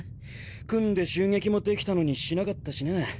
組んで襲撃もできたのにしなかったしな。